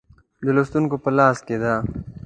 د لوستونکو په لاس کې ده.